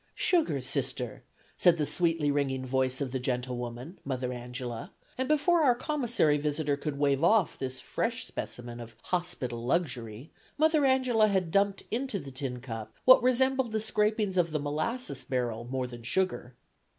"Sugar, Sister," said the sweetly ringing voice of the gentlewoman, Mother Angela, and before our Commissary visitor could wave off this fresh specimen of hospital luxury, Mother Angela had dumped into the tin cup what resembled the scrapings of the molasses barrel more than sugar.